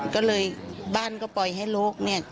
ก็เลยบ้านก็ปล่อยให้โลกเนี่ย